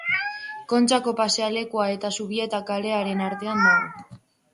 Kontxako pasealekua eta Zubieta kalearen artean dago.